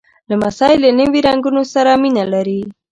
لمسی له نوي رنګونو سره مینه لري.